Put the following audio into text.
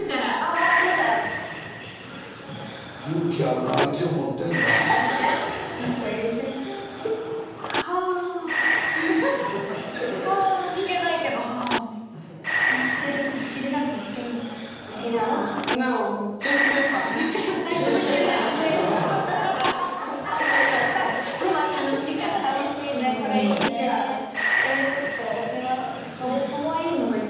ちょっとお部屋いっぱいかわいいのがいっぱいありましたね。